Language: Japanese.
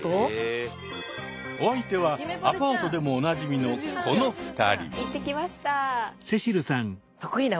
お相手はアパートでもおなじみのこの２人。